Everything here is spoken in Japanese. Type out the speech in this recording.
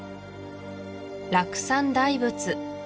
楽山大仏